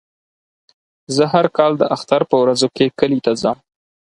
زه هر کال د اختر په ورځو کې کلي ته ځم.